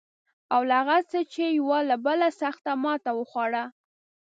او له هغه څخه یې یوه بله سخته ماته وخوړه.